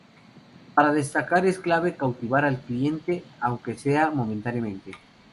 Para destacar es clave cautivar al cliente, aunque sea momentáneamente.